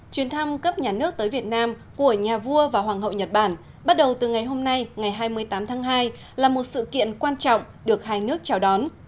chuyến thăm cấp nhà nước tới việt nam của nhà vua và hoàng hậu nhật bản bắt đầu từ ngày hôm nay ngày hai mươi tám tháng hai là một sự kiện quan trọng được hai nước chào đón